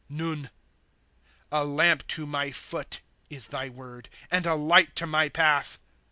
Nun. A lamp to my foot is thy word, And a light to my path.